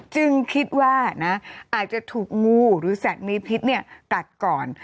จึงคิดว่านะอาจจะถูกงูหรือสัตว์มีพิษกัดก่อน